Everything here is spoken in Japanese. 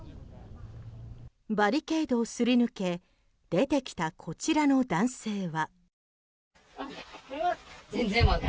バリケードをすり抜け出てきたこちらの男性は。